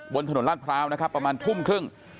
บนถนนลาดพร้าวนะครับประมาณทุ่มครึ่ง